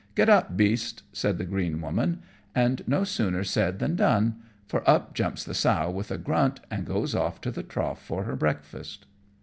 "Get up, beast," said the green woman; and no sooner said than done, for up jumps the sow with a grunt and goes off to the trough for her breakfast.